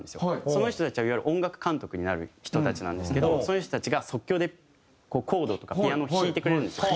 その人たちはいわゆる音楽監督になる人たちなんですけどそういう人たちが即興でコードとかピアノを弾いてくれるんですよ。